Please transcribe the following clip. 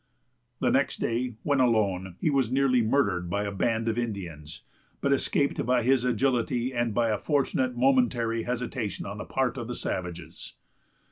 The next day, when alone, he was nearly murdered by a band of Indians, but escaped by his agility and by a fortunate momentary hesitation on the part of the savages.